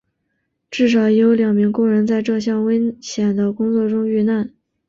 至少已有两名工人在这项危险的工作中遇难。